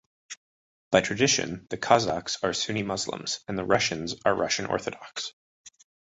By tradition the Kazakhs are Sunni Muslims, and the Russians are Russian Orthodox.